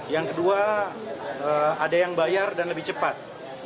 yang kedua ada yang bayar dan lebih cepat